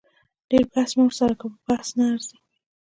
ډیر بحث مه ورسره کوه په بحث نه ارزي